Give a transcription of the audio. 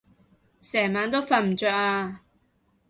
成晚都瞓唔著啊